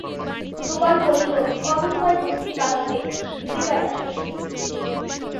গোপাল বলিল, কবে তোমায় বুদ্ধি পাকবে, ভেবে পাই না শশী।